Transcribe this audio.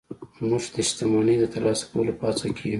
موږ چې د شتمني د ترلاسه کولو په هڅه کې يو.